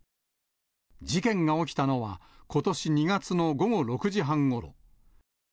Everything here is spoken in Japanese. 事件が起きたのは、ことし２月の午後６時半ごろ。